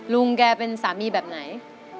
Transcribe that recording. ลุงแกเป็นสามีแบบไหน